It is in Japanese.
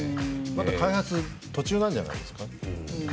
まだ開発途中なんじゃないですか？